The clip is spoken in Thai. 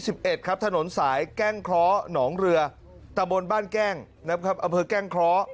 สนสายแก้งเคราะห์หนองเรือตะบนบ้านแก้งอเมืองแก้งเคราะห์